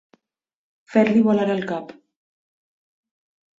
Fer-li volar el cap.